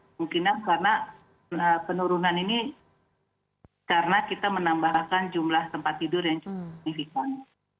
kemungkinan karena penurunan ini karena kita menambahkan jumlah tempat tidur yang cukup signifikan